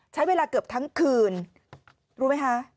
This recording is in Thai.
ใช้เวลาเกือบทั้งคืนรู้ไหมคะ